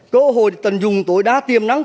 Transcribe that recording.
cơ hội tận dung tối đa tiêm nắng